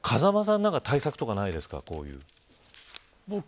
風間さん何か対策とかないですか。